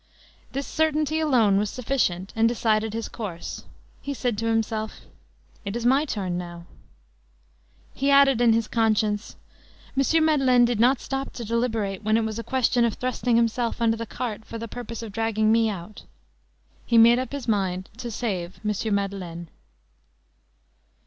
This certainty alone was sufficient and decided his course. He said to himself: "It is my turn now." He added in his conscience: "M. Madeleine did not stop to deliberate when it was a question of thrusting himself under the cart for the purpose of dragging me out." He made up his mind to save M. Madeleine.